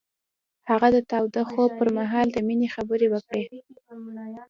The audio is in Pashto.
هغه د تاوده خوب پر مهال د مینې خبرې وکړې.